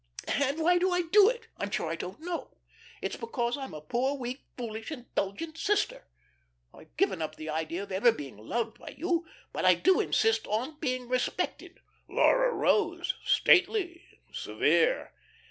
And why do I do it? I'm sure I don't know. It's because I'm a poor weak, foolish, indulgent sister. I've given up the idea of ever being loved by you; but I do insist on being respected." Laura rose, stately, severe.